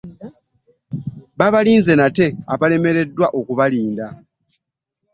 Babalinza ate nga bbo balemereddwa okubalinda.